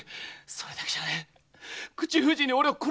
それだけじゃねえ口封じに俺を殺すって！